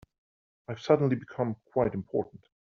I've suddenly become quite important.